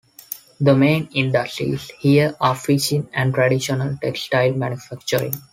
The main industries here are fishing and traditional textile manufacturing.